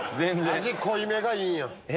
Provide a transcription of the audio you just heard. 味濃いめがいいんや。